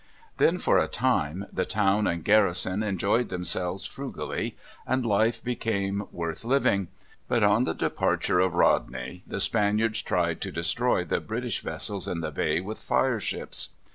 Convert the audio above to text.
Then for a time the town and garrison enjoyed themselves frugally, and life became worth living. But on the departure of Rodney the Spaniards tried to destroy the British vessels in the bay with fire ships.